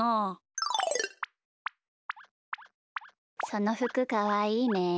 そのふくかわいいね。